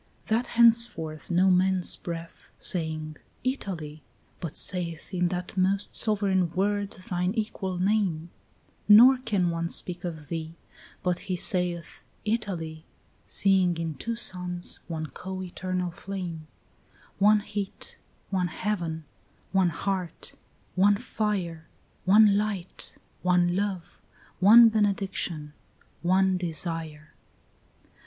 9 That henceforth no man's breath, Saying "Italy," but saith In that most sovereign word thine equal name; Nor can one speak of thee But he saith "Italy," Seeing in two suns one co eternal flame; One heat, one heaven, one heart, one fire, One light, one love, one benediction, one desire.